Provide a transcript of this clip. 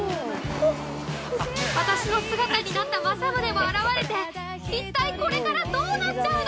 ◆私の姿になったまさむねも現れて一体これからどうなっちゃうの！？